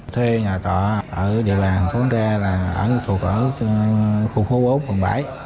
thuê nhà tòa ở địa bàn phố nga là thuộc ở khu khu bốn quận bảy